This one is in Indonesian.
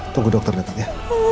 tunggu dokter dateng ya